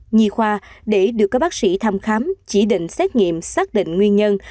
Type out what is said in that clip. nhi khoa để được các bác sĩ thăm khám chỉ định xét nghiệm xác định nguyên nhân